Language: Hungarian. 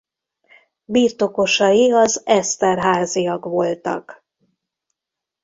Birtokosai az Esterházyak voltak.